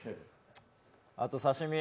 あと刺身。